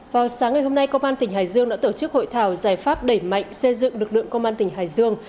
vào sáng ngày hôm nay công an tỉnh hải dương đã tổ chức hội thảo giải pháp đẩy mạnh xây dựng lực lượng công an tỉnh hải dương